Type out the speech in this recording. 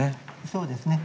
そうですね。